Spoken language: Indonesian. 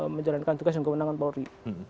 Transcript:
menjalankan tugas dan kewenangan polri